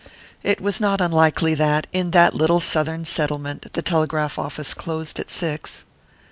It was not unlikely that, in that little southern settlement, the telegraph office closed at six.